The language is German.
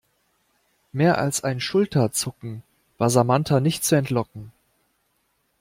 Mehr als ein Schulterzucken war Samantha nicht zu entlocken.